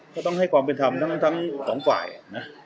ก็ต้องให้ความเป็นธรรมทั้งสองฝ่ายนะ